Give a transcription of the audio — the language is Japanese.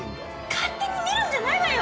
勝手に見るんじゃないわよ！